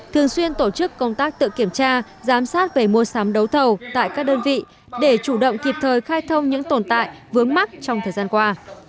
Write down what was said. thường xuyên tổ chức công tác tự kiểm tra giám sát về mua sắm đấu thầu tại các đơn vị để chủ động kịp thời khai thông những tồn tại vướng mắc trong thời gian qua